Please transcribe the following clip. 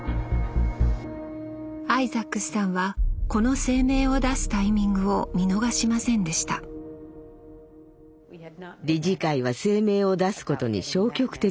アイザックスさんはこの声明を出すタイミングを見逃しませんでした理事会は声明を出すことに消極的でした。